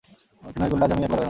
বিনয় কহিল, আজ আমি একলা দাঁড়ালুম।